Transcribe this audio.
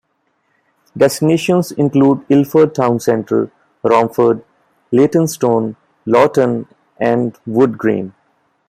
Destinations include Ilford town centre, Romford, Leytonstone, Loughton and Wood Green.